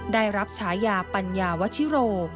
ได้รับฉายาปัญญาวชิโร